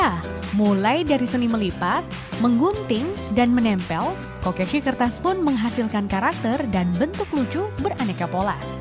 ya mulai dari seni melipat menggunting dan menempel kokeshi kertas pun menghasilkan karakter dan bentuk lucu beraneka pola